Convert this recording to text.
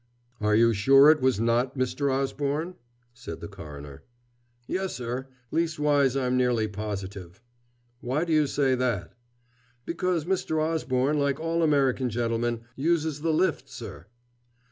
"Are you sure it was not Mr. Osborne?" said the coroner. "Yes, sir leastways, I'm nearly positive." "Why do you say that?" "Because Mr. Osborne, like all American gentlemen, uses the lift, sir."